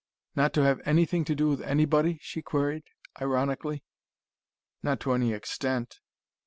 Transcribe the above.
"Not to have anything to do with anybody?" she queried ironically. "Not to any extent."